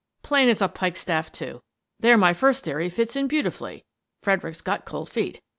"" Plain as a pikestaff, too. There my first theory fits in beautifully. Fredericks got cold feet.